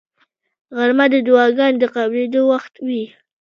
غرمه د دعاګانو د قبلېدو وخت وي